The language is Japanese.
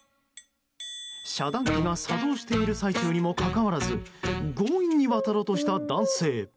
遮断機が作動している最中にもかかわらず強引に渡ろうとした男性。